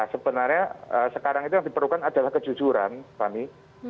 sebenarnya sekarang itu yang diperlukan adalah kejujuran fani